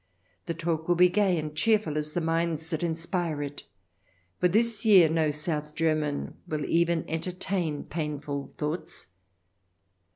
The talk will be gay and cheerful as the minds that inspire it, for this year no South German will even entertain painful thoughts.